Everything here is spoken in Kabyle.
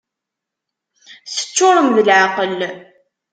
Teččurem d leεqel!